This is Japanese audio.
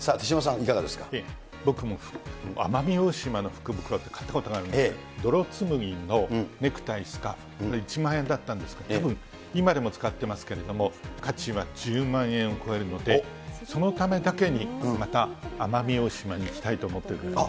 僕も奄美大島の福袋、買ったことがあるんですが、泥つむぎのネクタイ、スカーフ、１万円だったんですが、たぶん、今でも使ってますけれども、価値は１０万円を超えるので、そのためだけに、また奄美大島に行きたいと思っているぐらい。